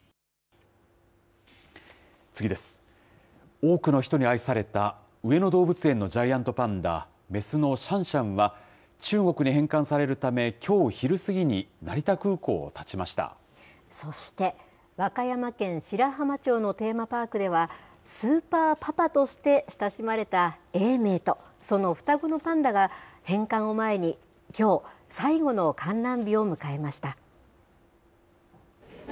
多くの人に愛された上野動物園のジャイアントパンダ、雌のシャンシャンは、中国に返還されるため、きょう昼過ぎに、そして、和歌山県白浜町のテーマパークでは、スーパーパパとして親しまれた永明と、その双子のパンダが返還を前に、きょう最後の観覧日を迎えました。